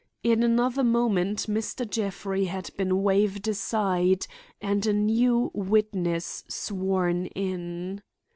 In another moment Mr. Jeffrey had been waved aside and a new witness sworn in.